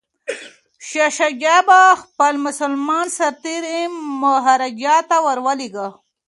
شاه شجاع به خپل مسلمان سرتیري مهاراجا ته ور لیږي.